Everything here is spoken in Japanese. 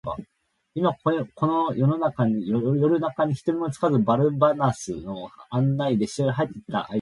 今、この夜なかに、人目にもつかず、バルナバスの案内で城へ入っていきたかった。しかし、そのバルナバスは、これまで Ｋ に思われていたように、